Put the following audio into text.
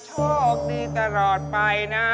ช่อออกดีตลอดไปนะ